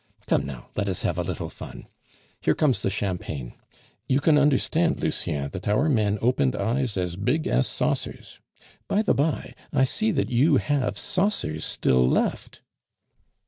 Come, now, let us have a little fun! Here comes the champagne. You can understand, Lucien, that our men opened eyes as big as saucers. By the by, I see that you have saucers still left."